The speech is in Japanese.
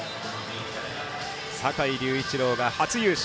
坂井隆一郎が初優勝。